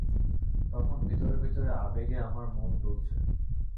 তখন ভিতরে ভিতরে আবেগে আমার মন দুলছে।